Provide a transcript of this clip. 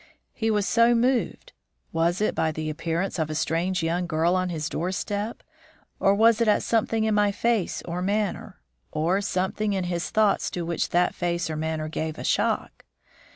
He was so moved was it by the appearance of a strange young girl on his doorstep, or was it at something in my face or manner, or some thing in his thoughts to which that face or manner gave a shock?